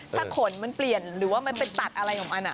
ถ้าขนมันเปลี่ยนหรือว่ามันไปตัดอะไรของมัน